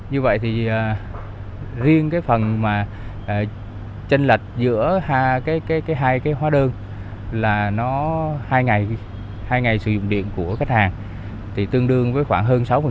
như vậy thì riêng cái phần mà tranh lệch giữa hai cái hóa đơn là nó hai ngày hai ngày sử dụng điện của khách hàng thì tương đương với khoảng hơn sáu